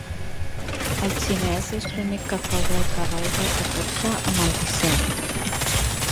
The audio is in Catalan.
El xinès és l'únic que cobra el cavall del catorze amb el disset.